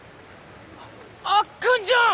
アッくんじゃん！